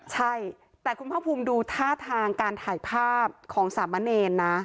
ใช่แต่คุณภาคภูมิดูท่าทางการถ่ายภาพของสามะเนรนะ